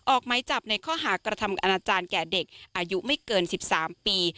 ออกไม้จับในข้อหากระทำอนาจารย์แก่เด็กอายุไม่เกิน๑๓ปี